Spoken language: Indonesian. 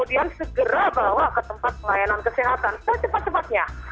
jadi kita harus segera bawa ke tempat pelayanan kesehatan secepat cepatnya